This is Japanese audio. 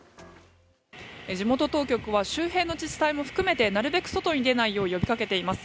地元当局は周辺の自治体も含めてなるべく外に出ないよう呼びかけています。